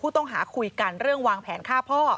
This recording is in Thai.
ต้องหาคุยกันเรื่องวางแผนฆ่าพ่อ